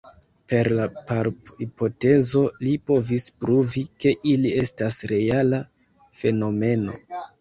Per la palp-hipotezo li povis pruvi, ke ili estas reala fenomeno.